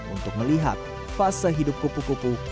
untuk melihat fase hidup kupu kupu